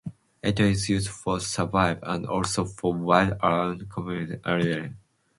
It is used for services, and also for a wide array of community activities.